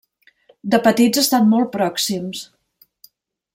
De petits, estan molt pròxims.